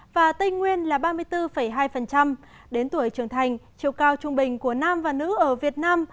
và tây nguyên là ba mươi bốn hai đến tuổi trưởng thành chiều cao trung bình của nam và nữ ở việt nam